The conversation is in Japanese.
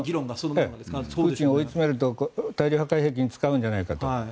プーチンを追い詰めると大量破壊兵器を使うんじゃないかと。